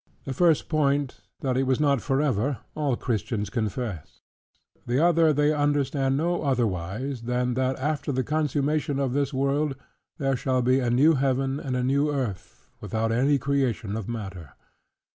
The first point, that it was not forever, all Christians confess: the other they understand no otherwise, than that after the consummation of this world, there shall be a new Heaven and a new earth, without any new creation of matter.